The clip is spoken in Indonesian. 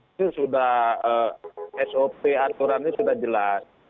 itu sudah sop aturannya sudah jelas